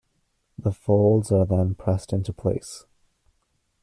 The folds are then pressed into place.